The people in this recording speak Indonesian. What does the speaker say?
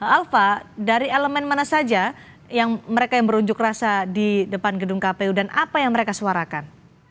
alfa dari elemen mana saja yang mereka yang berunjuk rasa di depan gedung kpu dan apa yang mereka suarakan